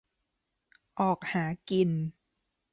ออกหากิน